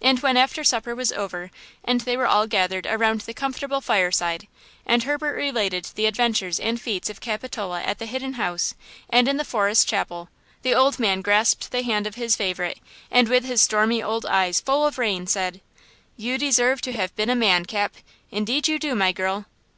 And when after supper was over and they were all gathered around the comfortable fireside, and Herbert related the adventures and feats of Capitola at the Hidden House, and in the forest chapel, the old man grasped the hand of his favorite and with his stormy old eyes full of rain said: "You deserve to have been a man, Cap! Indeed you do, my girl!"